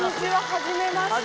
はじめまして。